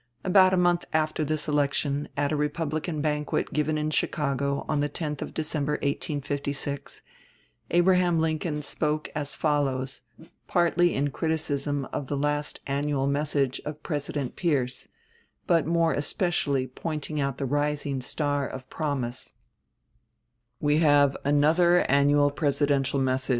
About a month after this election, at a Republican banquet given in Chicago on the 10th of December, 1856, Abraham Lincoln spoke as follows, partly in criticism of the last annual message of President Pierce, but more especially pointing out the rising star of promise: We have another annual presidential message.